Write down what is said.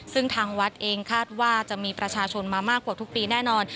ซึ่งทางวัดเองคาดว่าจะมีประชาชนมามากกว่าทุกปีแน่นอน